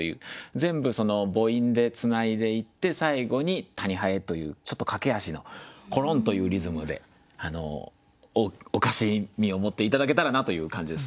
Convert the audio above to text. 全部母音でつないでいって最後に「たに蠅」というちょっと駆け足のころんというリズムでおかしみを持って頂けたらなという感じです。